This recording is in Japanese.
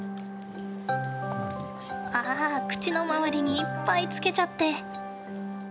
ああ、口の周りにいっぱいつけちゃって。